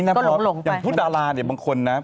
อย่างพูดดาราเนี่ยบางคนนะ